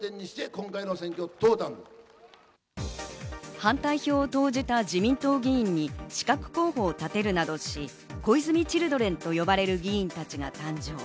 反対票を投じた自民党議員に刺客候補を立てるなどし、小泉チルドレンと呼ばれる議員たちが誕生。